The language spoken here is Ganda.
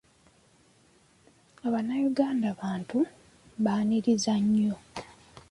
Bannayuganda bantu baaniriza nnyo.